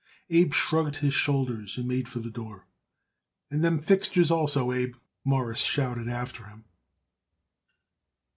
Abe shrugged his shoulders and made for the door. "And them fixtures also, Abe," Morris shouted after him.